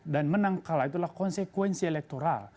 dan menang kalah itulah konsekuensi elektoral